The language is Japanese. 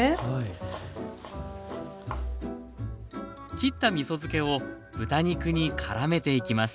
切ったみそ漬けを豚肉にからめていきます